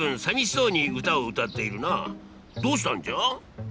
どうしたんじゃ？